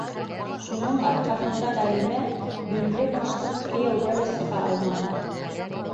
Шуның арҡаһында Ғәлимә йүнле-башлы кейәүгә лә сыга алманы!